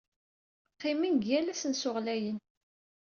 Qqimen deg yal asensu ɣlayen.